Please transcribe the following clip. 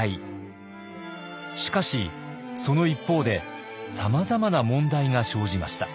しかしその一方でさまざまな問題が生じました。